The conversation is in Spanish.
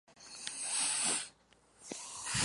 El libro está dividido en dos volúmenes.